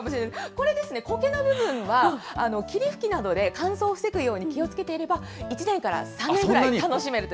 これですね、コケの部分は霧吹きなどで乾燥を防ぐように気をつけていけば、１年から３年ぐらい楽そんなに？